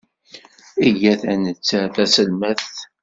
Iyyat ad netter taselmadt.